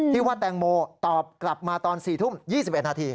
ว่าแตงโมตอบกลับมาตอน๔ทุ่ม๒๑นาที